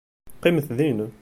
Qqimet din.